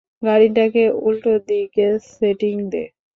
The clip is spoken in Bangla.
গাড়িটাকে উল্টোদিকে সেটিং দে।